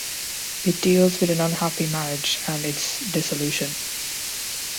It deals with an unhappy marriage and its dissolution.